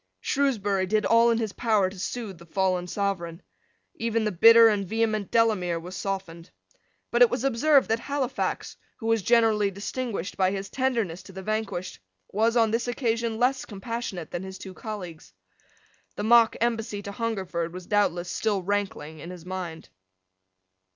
Shrewsbury did all in his power to soothe the fallen Sovereign. Even the bitter and vehement Delamere was softened. But it was observed that Halifax, who was generally distinguished by his tenderness to the vanquished, was, on this occasion, less compassionate than his two colleagues. The mock embassy to Hungerford was doubtless still rankling in his mind.